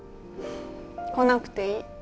来なくていい。